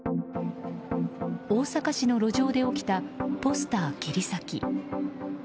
大阪市の路上で起きたポスター切り裂き。